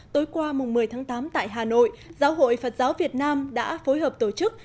tối qua mùng một mươi tháng tám tại hà nội giáo hội phật giáo việt nam đã phối hợp tổ chức